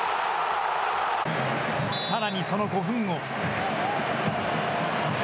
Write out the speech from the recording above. さらにその５分後。